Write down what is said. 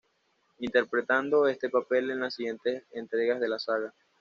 Interpretando este papel en las siguientes entregas de la saga.